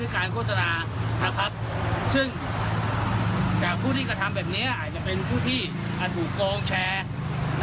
การโฆษณาซึ่งผู้ที่กระทำแบบนี้อาจจะเป็นผู้ที่ถูกโกงแชร์